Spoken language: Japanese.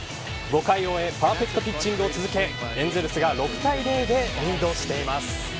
５回を終えパーフェクトピッチングを続けエンゼルスが６対０でリードしています。